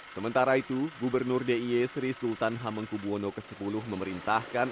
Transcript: sementara itu gubernur d i e sri sultan hamengkubuwono x memerintahkan